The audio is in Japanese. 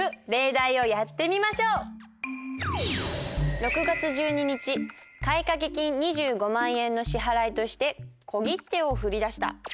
６月１２日買掛金２５万円の支払いとして小切手を振り出した。